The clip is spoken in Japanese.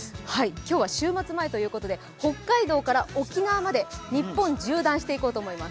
今日は週末前ということで北海道から沖縄まで日本を縦断していこうと思います。